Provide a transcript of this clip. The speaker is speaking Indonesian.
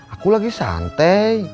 aku lagi santai